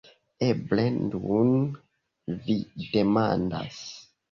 Eble nun vi demandas.